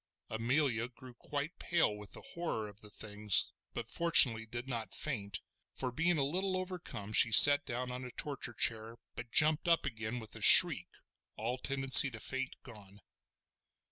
Amelia grew quite pale with the horror of the things, but fortunately did not faint, for being a little overcome she sat down on a torture chair, but jumped up again with a shriek, all tendency to faint gone.